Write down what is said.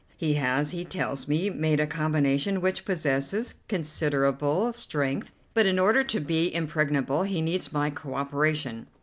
He has, he tells me, made a combination which possesses considerable strength, but in order to be impregnable he needs my co operation.